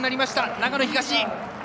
長野東。